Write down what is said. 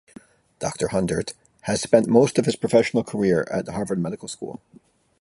Doctor Hundert has spent most of his professional career at Harvard Medical School.